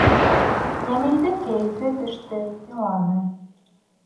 Йәмилдең кәйефе төштө, иланы.